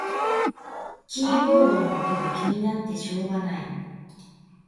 キーボードの音が気になってしょうがない